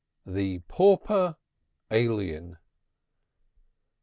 THE PAUPER ALIEN.